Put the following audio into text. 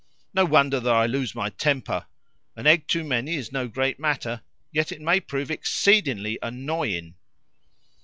"No wonder that I lose my temper! An egg too many is no great matter, yet it may prove exceedingly annoying."